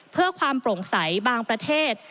เพื่อความโปร่งใสบางประเทศ